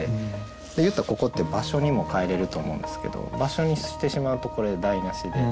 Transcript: で言ったらここって場所にも変えれると思うんですけど場所にしてしまうとこれ台なしで。